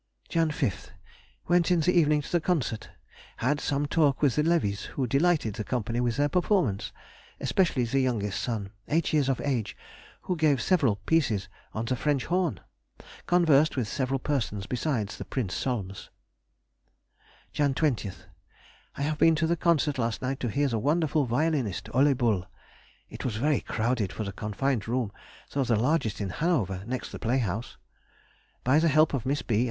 Jan. 5th.—Went in the evening to the concert; had some talk with the Levies, who delighted the company with their performance, especially the youngest son, eight years of age, who gave several pieces on the French horn. Conversed with several persons besides the Prince Solms. Jan. 20th.—I have been to the concert last night to hear the wonderful violinist, Ole Bull. It was very crowded for the confined room, though the largest in Hanover next the play house. By the help of Miss B.